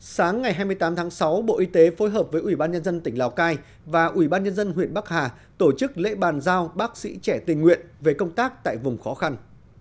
sáng ngày hai mươi tám tháng sáu bộ y tế phối hợp với ubnd tỉnh lào cai và ubnd huyện bắc hà tổ chức lễ bàn giao bác sĩ trẻ tình nguyện về công tác tại vùng khó khăn